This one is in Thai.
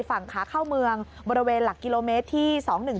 ฝั่งขาเข้าเมืองบริเวณหลักกิโลเมตรที่๒๑๒